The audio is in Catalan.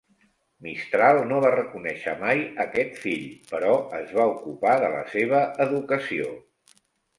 Mistral no va reconèixer mai aquest fill però es va ocupar de la seva educació.